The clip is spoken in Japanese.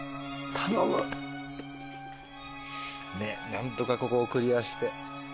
何とかここをクリアして。